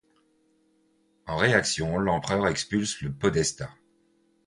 En réaction, l'empereur expulse le podestat.